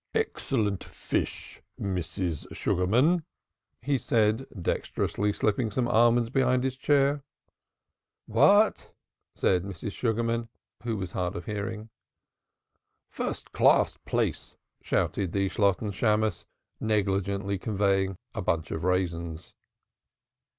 "Excellent fish, Mrs. Sugarman," he said, dexterously slipping some almonds behind his chair. "What?" said Mrs. Sugarman, who was hard of hearing. "First class plaice!" shouted the Shalotten Shammos, negligently conveying a bunch of raisins.